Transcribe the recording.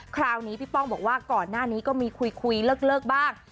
คราวนี้พี่ป้องบอกว่าก่อนหน้านี้ก็มีคุยเลิกบ้าง